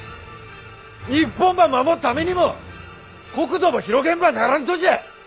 日本ば守っためにも国土ば広げんばならんとじゃ。